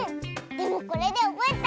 でもこれでおぼえた。